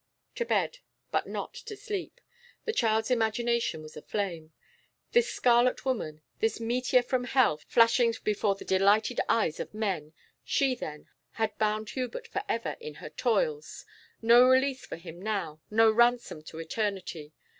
To bed but not to sleep. The child's imagination was aflame. This scarlet woman, this meteor from hell flashing before the delighted eyes of men, she, then, had bound Hubert for ever in her toils; no release for him now, no ransom to eternity.